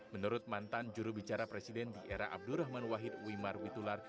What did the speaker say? menurut mantan jurubicara presiden di era abdurrahman wahid wimar witular